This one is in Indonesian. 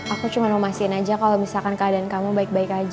aku cuma nomasiin aja kalau misalkan keadaan kamu baik baik aja